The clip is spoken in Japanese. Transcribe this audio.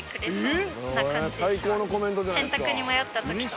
最高のコメントじゃないですか。